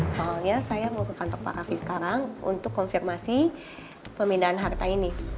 soalnya saya mau ke kantor pak rafi sekarang untuk konfirmasi pemindahan harta ini